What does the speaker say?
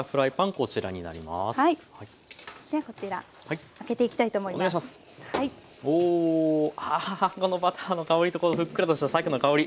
このバターの香りとこのふっくらとしたさけの香り。